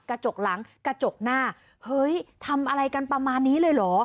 กระจกหลังกระจกหน้าเฮ้ยทำอะไรกันประมาณนี้เลยเหรอ